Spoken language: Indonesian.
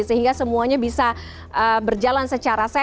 sehingga semuanya bisa berjalan secara sehat